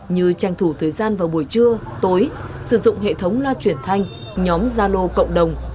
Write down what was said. như tranh thủ thời gian vào buổi trưa tối sử dụng hệ thống loa chuyển thanh nhóm gia lô cộng đồng